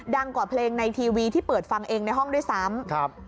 กว่าเพลงในทีวีที่เปิดฟังเองในห้องด้วยซ้ำ